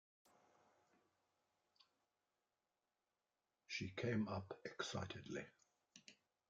She came up excitedly.